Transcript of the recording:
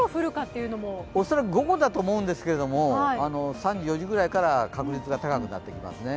おそらく午後だと思うんですが３時、４時ぐらいから確率が高くなってきますね。